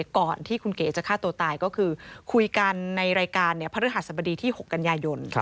ก่อนที่คุณเก๋จะฆ่าตัวตายก็คือคุยกันในรายการพระฤหัสบดีที่๖กันยายน